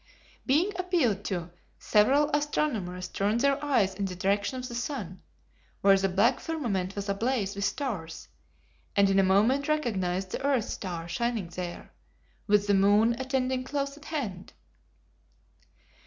Being appealed to, several astronomers turned their eyes in the direction of the sun, where the black firmament was ablaze with stars, and in a moment recognized the earth star shining there, with the moon attending close at hand.